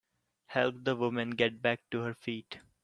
Help the woman get back to her feet.